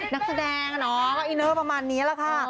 นักแสดงก็อินเนอร์ประมาณนี้แหละค่ะ